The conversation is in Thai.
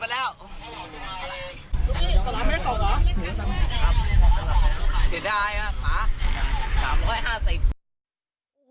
เสียดายครับสามล้วยห้าสิบ